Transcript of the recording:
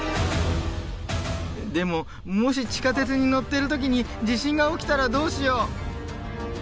でももし地下鉄に乗っている時に地震が起きたらどうしよう。